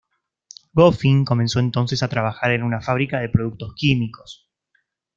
Goffin comenzó entonces a trabajar en una fábrica de productos químicos.